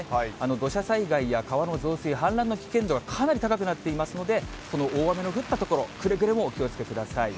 土砂災害や川の増水、氾濫の危険度がかなり高くなっていますので、この大雨の降った所、くれぐれもお気をつけください。